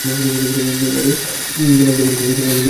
নেইমারের দামটা বেলের চেয়ে অনেক বেশি হবে বলেই ধারণা করা হচ্ছিল।